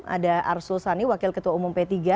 ada arsul sani wakil ketua umum p tiga